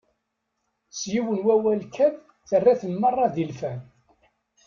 S yiwen wawal kan, terra-ten merra d ilfan.